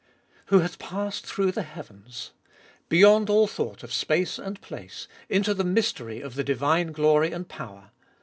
Who hath passed through the heavens 1 beyond all thought of space and place, into the mystery of the divine glory and power.